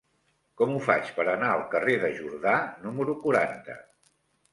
Com ho faig per anar al carrer de Jordà número quaranta?